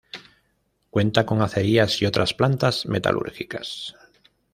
Cuenta con acerías y otras plantas metalúrgicas.